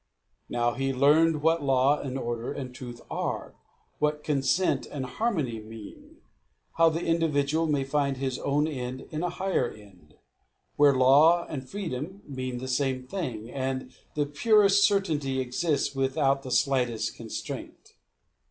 Now he learned what law and order and truth are, what consent and harmony mean; how the individual may find his own end in a higher end, where law and freedom mean the same thing, and the purest certainty exists without the slightest constraint.